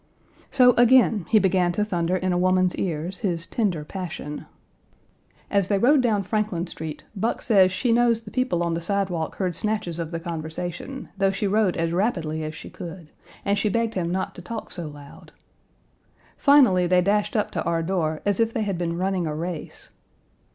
So again he began to thunder in a woman's ears his tender passion. As they rode down Page 234 Franklin Street, Buck says she knows the people on the sidewalk heard snatches of the conversation, though she rode as rapidly as she could, and she begged him not to talk so loud. Finally, they dashed up to our door as if they had been running a race.